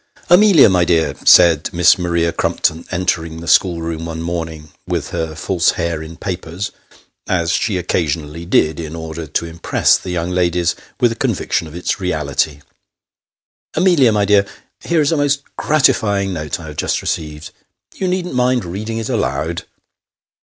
"Amelia, my dear," said Miss Maria Crumpton, entering the schoolroom one morning, with her false hair in papers: as she occasionally did, in order to impress the young ladies with a convic tion of its reality. " Amelia, my dear, here is a most gratifying note I have just received. You needn't mind reading it aloud."